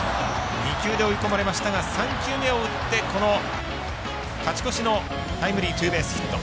２球で追い込まれましたが３球目を打って、勝ち越しのタイムリーツーベースヒット。